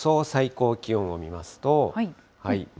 最高気温を見ますと。